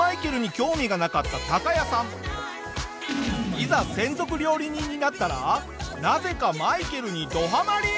いざ専属料理人になったらなぜかマイケルにどハマり！